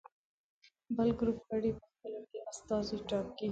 بل ګروپ غړي په خپلو کې استازي ټاکي.